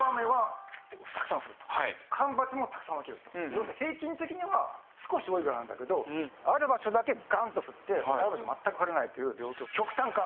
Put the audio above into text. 要するに平均的には少し多いぐらいなんだけどある場所だけガンッと降ってある場所では全く降らないという極端化